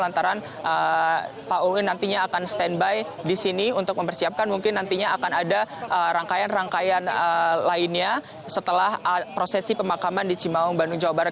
lantaran pak owi nantinya akan standby di sini untuk mempersiapkan mungkin nantinya akan ada rangkaian rangkaian lainnya setelah prosesi pemakaman di cimaung bandung jawa barat